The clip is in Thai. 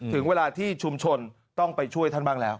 ถึงเวลาที่ชุมชนต้องไปช่วยท่านบ้างแล้ว